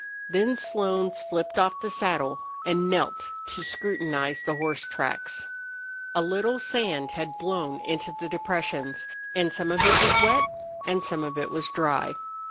Then Slone slipped off the saddle and knelt to scrutinize the horse tracks. A little sand had blown into the depressions, and some of it was wet and some of it was dry.